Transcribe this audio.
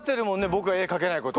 僕が絵描けないこと。